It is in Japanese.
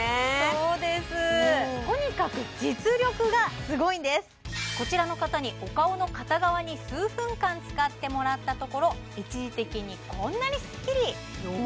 そうですとにかく実力がすごいんですこちらの方にお顔の片側に数分間使ってもらったところ一時的にこんなにスッキリおお！